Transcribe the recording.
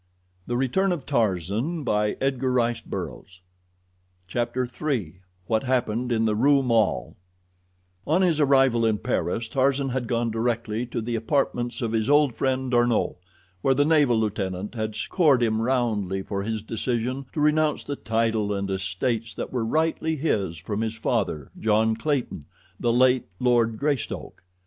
Tarzan wondered if he should ever see her again. Chapter III What Happened in the Rue Maule On his arrival in Paris, Tarzan had gone directly to the apartments of his old friend, D'Arnot, where the naval lieutenant had scored him roundly for his decision to renounce the title and estates that were rightly his from his father, John Clayton, the late Lord Greystoke.